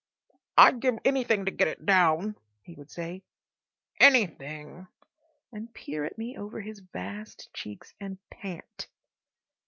"I'd give anything to get it down," he would say—"anything," and peer at me over his vast cheeks and pant.